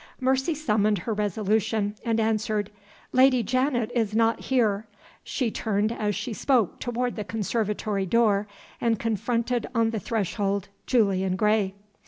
Mercy summoned her resolution and answered: "Lady Janet is not here." She turned as she spoke toward the conservatory door, and confronted on the threshold Julian Gray.